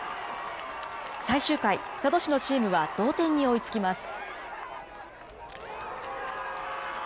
最終回、佐渡市のチームは同点に追いつきます。